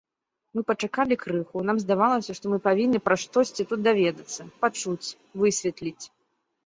Мы пачакалі крыху, нам здавалася, што мы павінны пра штосьці тут даведацца, пачуць, высветліць.